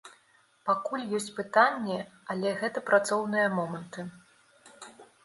Пакуль ёсць пытанні, але гэта працоўныя моманты.